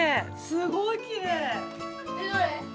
すごいきれい！